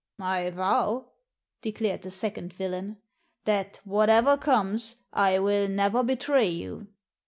"I vow," declared the second villain, "that, what ever comes, I will never betray you."